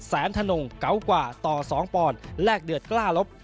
แสนธนงเกาะกว่าต่อสองปอนแลกเดือดกล้าลบ